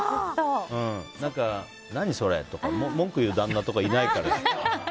何それ？とか文句言う旦那とかいないから。